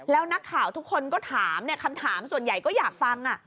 แล้วนักข่าวทุกคนก็ถามคำถามส่วนใหญ่ก็อยากฟัง